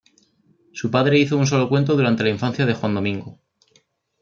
Su padre hizo un solo cuento durante la infancia de Juan Domingo.